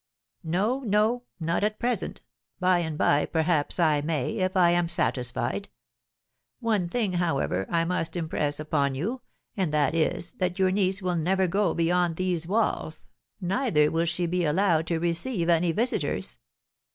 'No, no, not at present; by and by perhaps I may, if I am satisfied. One thing, however, I must impress upon you, and that is, that your niece will never go beyond these walls, neither will she be allowed to receive any visitors.'